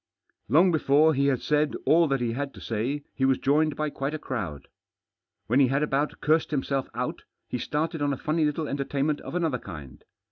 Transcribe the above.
Long before he had said all that he had to say he was joined by quite a crowd. When he had about cursed himself out, he started on a funny little enter tainment of another kind.